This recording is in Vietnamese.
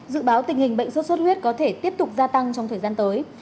dự báo tình hình bệnh sốt xuất huyết có thể tiếp tục gia tăng trong thời gian tới